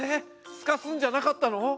スカすんじゃなかったの？